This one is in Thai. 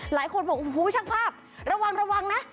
หลายคนบอกช่างภาพระวังนะ